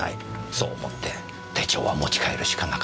そう思って手帳は持ち帰るしかなかった。